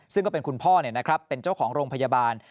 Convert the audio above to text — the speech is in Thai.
ซึ่งก็เป็นคุณพ่อเป็นเจ้าของโรงพยาบาล